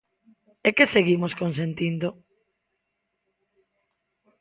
E que seguimos consentindo.